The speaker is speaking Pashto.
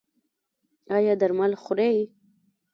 ایا درمل خورئ؟